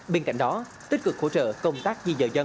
bên cạnh đó tích cực hỗ trợ công tác di dời dân